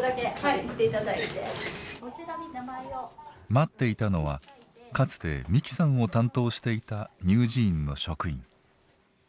待っていたのはかつて美希さんを担当していた乳児院の職員。